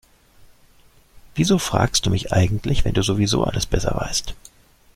Wieso fragst du mich eigentlich, wenn du sowieso alles besser weißt?